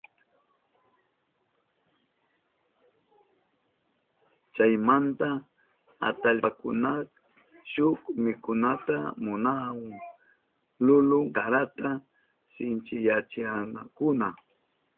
Chaymanta atallpakunaka shuk mikunata munanahun lulun karata sinchiyachinankunapa.